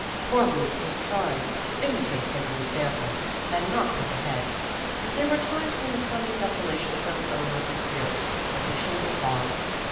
Poor Euth was trying to imitate Peggy's example and not look ahead, but there were times when the coming desola tion settled over her spirits like a chilling fog.